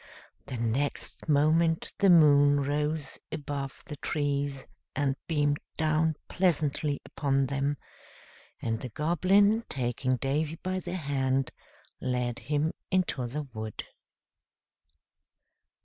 The next moment the moon rose above the trees and beamed down pleasantly upon them, and the Goblin, taking Davy by the hand, led him into the wood.